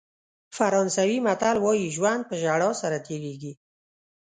فرانسوي متل وایي ژوند په ژړا سره تېرېږي.